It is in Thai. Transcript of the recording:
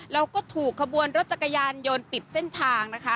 แล้วก็ถูกขบวนรถจักรยานยนต์ปิดเส้นทางนะคะ